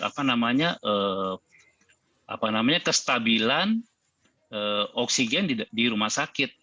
apa namanya apa namanya kestabilan oksigen di rumah sakit